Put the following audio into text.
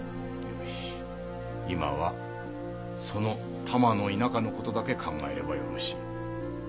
よし今はその多摩の田舎の事だけ考えればよろしい。